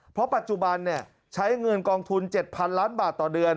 เพราะปัจจุบันใช้เงินกองทุน๗๐๐ล้านบาทต่อเดือน